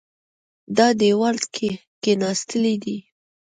دا دېوال کېناستلی دی.